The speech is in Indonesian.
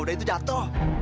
budaya itu jatuh